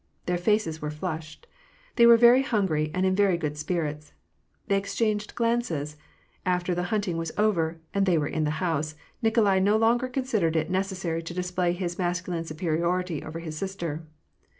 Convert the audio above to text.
Their faces were flushed ; they were very hungry, and in very good spirits. They exchanged glances: after the hunting was over and they were in the house, Nikolai no longer con sidered it necessary to display his masculine superiority over his sister.